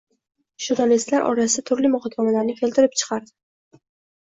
Jurnalistlar orasida turli muhokamalarni keltirib chiqardi.